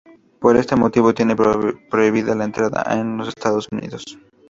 Por este motivo tiene prohibida la entrada en Estados Unidos.